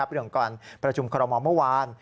เรื่องก่อนประชุมคอรมอลเมื่อวาน